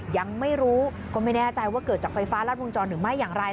ยังไม่รู้ก็ไม่แน่ใจว่าเกิดจากไฟฟ้ารัดวงจรหรือไม่อย่างไร